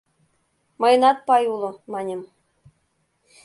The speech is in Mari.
— Мыйынат пай уло, маньым.